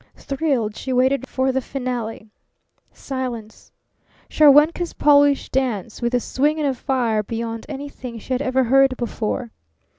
Thrilled, she waited for the finale. Silence. Scharwenka's "Polish Dance," with a swing and a fire beyond anything she had ever heard before.